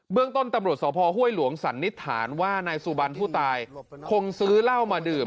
เรื่องต้นตำรวจสพห้วยหลวงสันนิษฐานว่านายสุบันผู้ตายคงซื้อเหล้ามาดื่ม